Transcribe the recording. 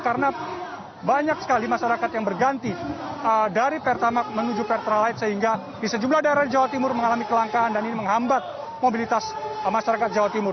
karena banyak sekali masyarakat yang berganti dari pertamak menuju pertralait sehingga di sejumlah daerah jawa timur mengalami kelangkaan dan ini menghambat mobilitas masyarakat jawa timur